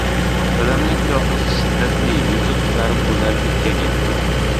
Dadamning qiyofasi shiddatli, yuzi qizarib-bo‘zarib ketgan edi.